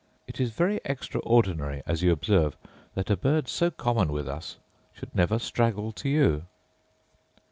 It is very extraordinary, as you observe, that a bird so common with us should never straggle to you.